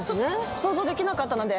想像できなかったので。